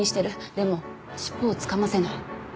でも尻尾をつかませない。